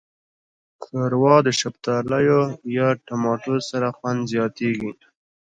ښوروا د شفتالو یا ټماټو سره خوند زیاتیږي.